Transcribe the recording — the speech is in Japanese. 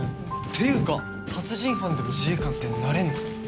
ていうか殺人犯でも自衛官ってなれんの？